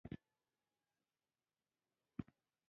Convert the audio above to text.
غوټۍ په خپل ځوانيمرګ زوی پسې ډېر وژړل خو روسته يې ان ومانه.